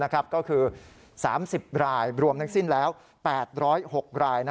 ก็คือ๓๐รายรวมทั้งสิ้นแล้ว๘๐๖ราย